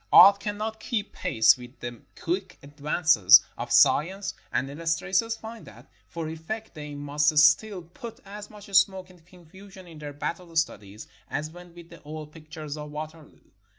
Art cannot keep pace with the quick advances of science, and illustrators find that for effect they must still put as much smoke and confusion in their battle studies as went with the old pictures of Waterloo.